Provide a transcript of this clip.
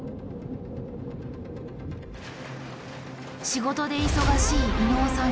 仕事で忙しい伊野尾さん